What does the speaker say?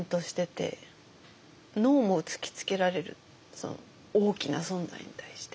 その大きな存在に対して。